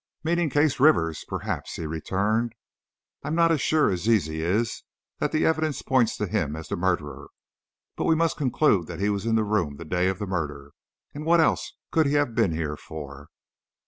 "Meaning Case Rivers, perhaps," he returned. "I'm not as sure as Zizi is that the evidence points to him as the murderer, but we must conclude that he was in this room the day of the murder, and what else could he have been here for?"